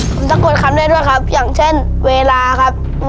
ผมสะกดคำได้ด้วยครับอย่างเช่นเวลาครับ